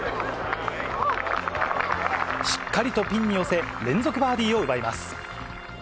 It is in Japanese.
しっかりとピンに寄せ、連続バーディーを奪います。